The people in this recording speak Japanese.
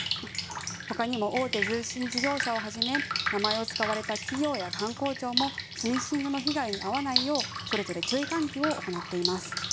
ほかにも大手通信事業者をはじめ名前を使われた企業や官公庁もスミッシングの被害に遭わないようそれぞれ注意喚起を行っています。